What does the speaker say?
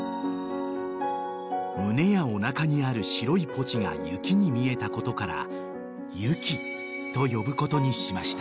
［胸やおなかにある白いポチが雪に見えたことから「雪」と呼ぶことにしました］